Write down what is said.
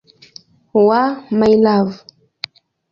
wa "My Love".